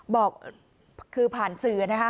บอกคือผ่านสื่อนะคะ